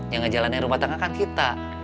yang ngejalanin rumah tangga kan kita